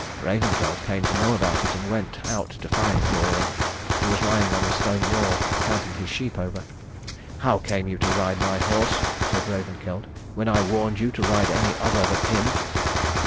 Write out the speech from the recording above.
Ravenkeld came to know about it and went out to find Thoreir, who was lying on the stone wall, counting his sheep over. "How came you to ride my horse," said Ravenkeld, "when I warned you to ride any other but him?"